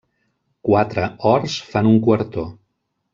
Quatre horts fan un quartó.